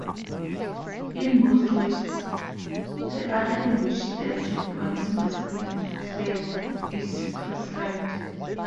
In most races, the order in which the checkpoints must be cleared is prescribed.